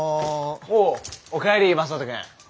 おうおかえり正門君。